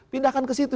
pindahkan ke situ